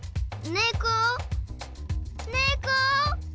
ねこ？